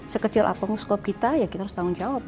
sekecil apapun skop kita ya kita harus tanggung jawab